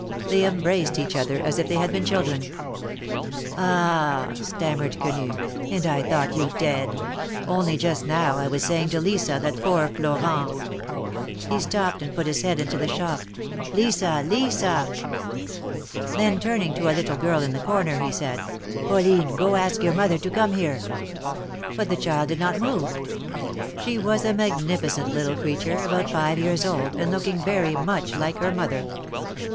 They embraced each other as if they had been children. "Ah I " stammered Quenu, " and I thought you dead I Only just now, I was saying to Lisa that poor Florent —" He stopped and put his head into the shop. " Lisa I Lisa !" Then turning to a little girl in the corner, he said :" Pauline, go ask your mother to come here." But the child did not move. She was a magnificent little creature, about five years old, and looking very much like her mother.